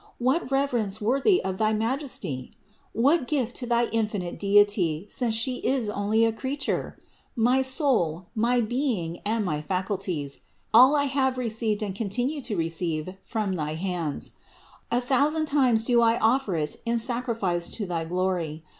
What reverence worthy of thy Majesty? What gift to thy infinite Deity, since She is only a creature ? My soul, my being, and my faculties, all have I received and con tinue to receive from thy hands. A thousand times do I offer it in sacrifice to thy glory.